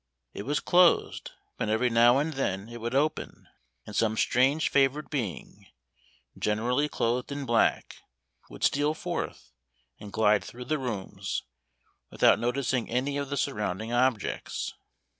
It was closed, but every now and then it would open, and some strange favored being, generally clothed in black, would steal forth, and glide through the rooms, without noticing any of the surrounding objects.